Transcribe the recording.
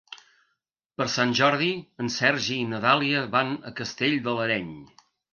Per Sant Jordi en Sergi i na Dàlia van a Castell de l'Areny.